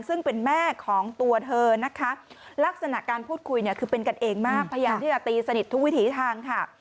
ซึ่งเป็นแม่ของตัวเธอนะคะลักษณะการพูดคุยเนี่ยคือเป็นกันเองมากพยายามที่จะตีสนิททุกวิถีทางค่ะ